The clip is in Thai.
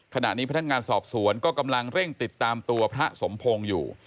ขณะนี้พนักงานสอบสวนก็กำลังเร่งติดตามตัวพระสมพงศ์อยู่